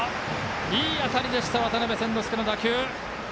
いい当たりでした渡邉千之亮の打球。